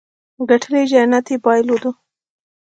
ګټلې جنت يې بايلودو.